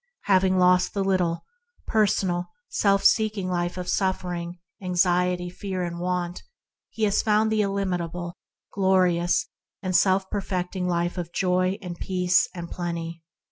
Having lost the little, personal, self seeking life of suffer ing, fear, anxiety, and want, he has found the illimitable, glorious, self perfecting life of joy and peace and plenty.